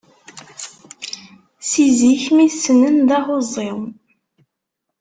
Si zik mi t-ssnen d ahuẓẓi.